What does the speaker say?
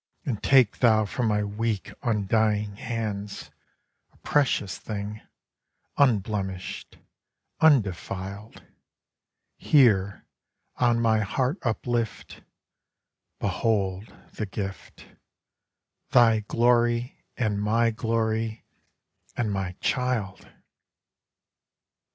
And take thou from my weak undying hands, A precious thing, unblemished, undefiled: Here, on my heart uplift, Behold the Gift, Thy glory and my glory, and my child!